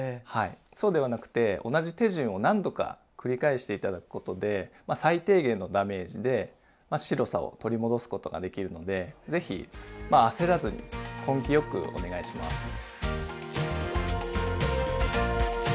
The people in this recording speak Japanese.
はいそうではなくて同じ手順を何度か繰り返して頂くことで最低限のダメージで白さを取り戻すことができるので是非まあ焦らずに根気よくお願いします。